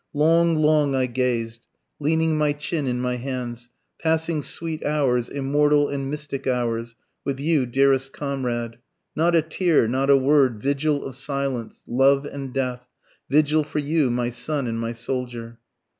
"Long, long, I gazed ... leaning my chin in my hands, passing sweet hours, immortal and mystic hours, with you, dearest comrade not a tear, not a word, Vigil of silence, love and death, vigil for you my son and my soldier."